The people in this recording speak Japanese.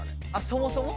そもそも？